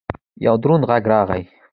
یو دروند غږ راغی!